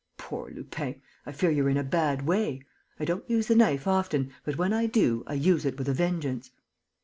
Poor Lupin, I fear you're in a bad way.... I don't use the knife often; but, when I do, I use it with a vengeance."